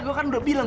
gua kan udah bilang